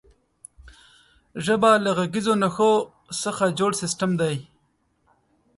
ژبه له غږیزو نښو څخه جوړ سیستم دی.